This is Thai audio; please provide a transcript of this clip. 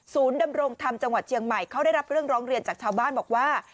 ดำรงธรรมจังหวัดเชียงใหม่เขาได้รับเรื่องร้องเรียนจากชาวบ้านบอกว่า